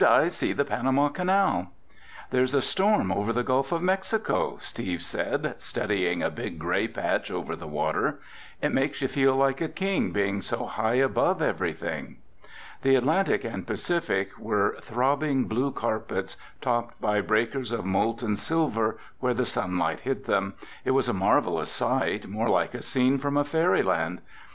"I see the Panama Canal!" "There's a storm over the Gulf of Mexico," Steve said, studying a big gray patch over the water. "It makes you feel like a king being so high above everything!" The Atlantic and Pacific were throbbing blue carpets, topped by breakers of molten silver where the sunlight hit them. It was a marvelous sight, more like a scene from a fairy land.